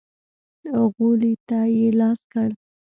غولي ته يې لاس کړ.